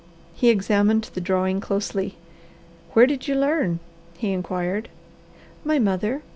He examined the drawing closely. "Where did you learn?" he inquired. "My mother.